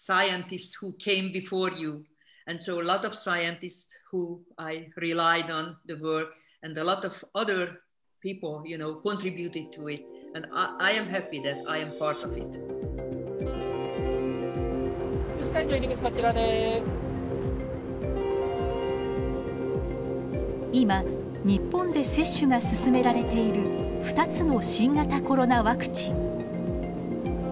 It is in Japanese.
Ｔｈａｎｋｙｏｕ．今日本で接種が進められている２つの新型コロナワクチン。